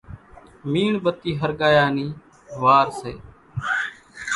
ميڻ ٻتي ۿرڳايا نِي وار سي